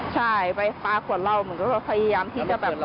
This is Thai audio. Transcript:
ใช่ไปปลาขวดเหล้าเหมือนก็พยายามที่จะแบบ